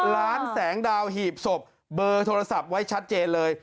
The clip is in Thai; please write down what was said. ล้านแสงดาวหีบศพเบอร์โทรศัพท์ไว้ชัดเจนเลย